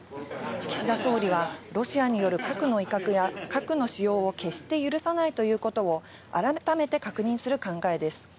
岸田総理は、ロシアによる核の威嚇や核の使用を決して許さないということを、改めて確認する考えです。